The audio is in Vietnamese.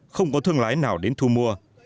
không có thương lái nào đến thù mua